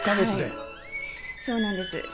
そうなんです。